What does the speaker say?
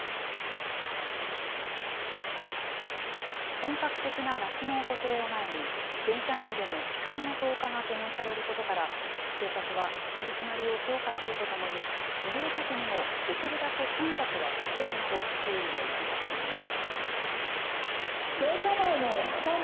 本格的な夏の訪れを前に、電車内での痴漢の増加が懸念されることから、警察は取締りを強化するとともに、利用客にもできるだけ混雑は避けるなど、注意を呼びかけています。